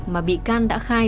mà bị can đã khai